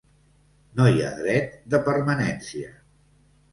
No hi ha dret de permanència.